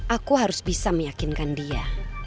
aku harus bisa meyakinkan dia